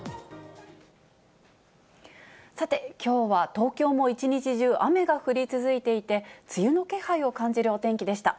さて、きょうは東京も一日中雨が降り続いていて、梅雨の気配を感じるお天気でした。